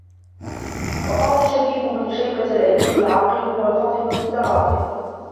وَقَالَ شَبِيبُ بْنُ شَيْبَةَ الْأَدِيبُ الْعَاقِلُ هُوَ الْفَطِنُ الْمُتَغَافِلُ